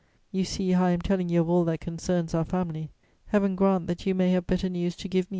You see how I am telling you of all that concerns our family; Heaven grant that you may have better news to give me!"